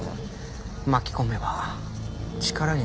巻き込めば力に。